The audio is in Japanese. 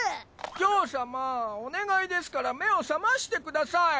ジョー様お願いですから目を覚ましてください！